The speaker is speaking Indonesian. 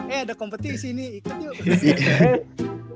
eh ada kompetisi nih ikut yuk